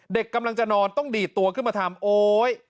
เด็กกำลังจะนอนต้องดีดตัวขึ้นมาทำโอ๊ย